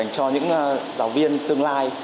cho những giáo viên tương lai